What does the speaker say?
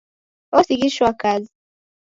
Osighishwa kazi.